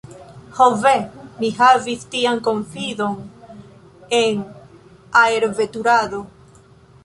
Ho ve! mi havis tian konfidon en aerveturado.